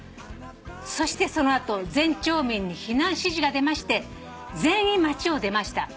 そしてその後全町民に避難指示が出まして全員町を出ました。